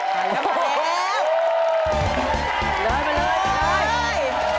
กลายมาเลย